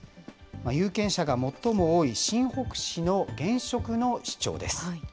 有権者が最も多い新北市の現職の市長です。